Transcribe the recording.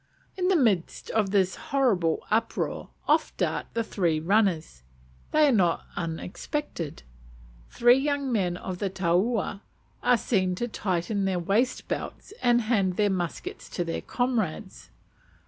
In the midst of this horrible uproar off dart the three runners. They are not unexpected. Three young men of the taua are seen to tighten their waist belts and hand their muskets to their comrades.